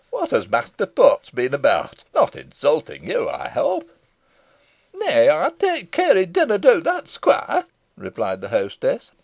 What has Master Potts been about? Not insulting you, I hope?" "Neaw, ey'd tak keare he didna do that, squoire," replied the hostess.